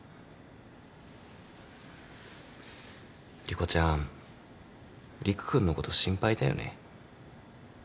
莉子ちゃん理玖君のこと心配だよね？